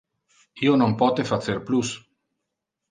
Io non pote facer plus.